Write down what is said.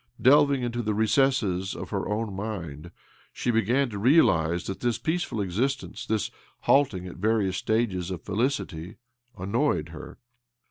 Delving into the recesses of her own mind, she began to realize that this peaceful exist ence, this halting at various stages of felicity, annoyed her.